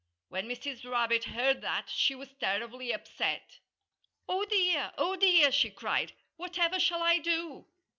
When Mrs. Rabbit heard that she was terribly upset. "Oh, dear! Oh, dear!" she cried. "Whatever shall I do?"